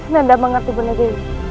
nanda mengerti benar dewi